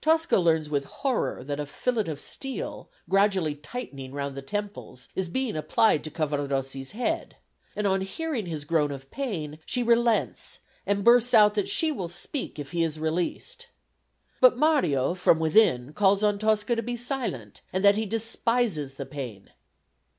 Tosca learns with horror that a fillet of steel, gradually tightening round the temples, is being applied to Cavaradossi's head, and on hearing his groan of pain, she relents and bursts out that she will speak if he is released. But Mario from within calls on Tosca to be silent, and that he despises the pain.